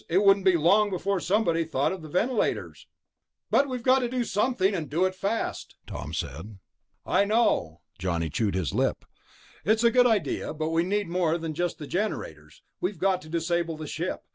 It wouldn't be long before somebody thought of the ventilators." "But we've got to do something, and do it fast," Tom said. "I know." Johnny chewed his lip. "It's a good idea, but we need more than just the generators. We've got to disable the ship